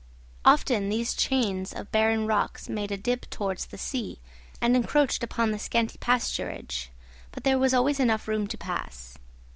Often these chains of barren rocks made a dip towards the sea, and encroached upon the scanty pasturage: but there was always enough room to pass.